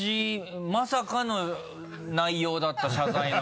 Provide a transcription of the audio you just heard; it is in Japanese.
まさかの内容だった謝罪の。